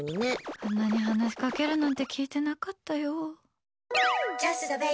あんなに話しかけるなんて聞いてなかったよ。